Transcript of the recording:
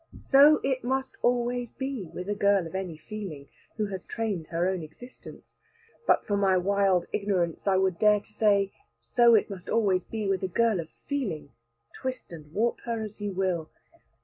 So it must always be with a girl of any feeling, who has trained her own existence. But for my wild ignorance, I would dare to say so it must be always with a girl of feeling, twist and warp her as you will.